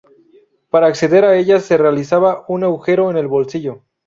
Para acceder a ellas se realizaba un agujero en el bolsillo.